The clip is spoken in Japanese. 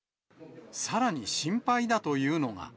さらに、心配だというのが。